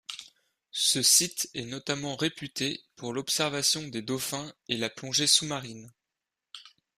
Ce site est notamment réputé pour l'observation des dauphins et la plongée sous-marine.